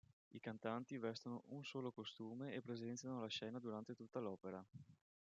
I cantanti vestono un solo costume e presenziano la scena durante tutta l'opera.